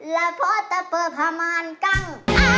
แล้วพอจะเปิดพมานกั้ง